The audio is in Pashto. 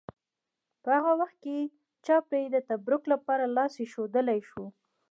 په هغه وخت هرچا پرې د تبرک لپاره لاس ایښودلی شو.